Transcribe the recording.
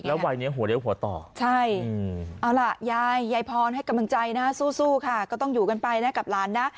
ใช่เอาล่ะยายยายพรให้กำลังใจนะสู้ค่ะก็ต้องอยู่กันไปนะกับหลานนะ